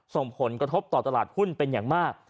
ส่งผลกระทบต่อตลาดหุ้นเป็นอย่างมาก